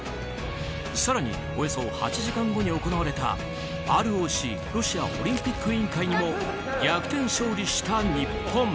更に、およそ８時間後に行われたＲＯＣ・ロシアオリンピック委員会にも逆転勝利した日本。